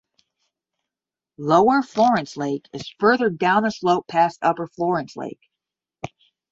Lower Florence Lake is further down the slope past Upper Florence lake.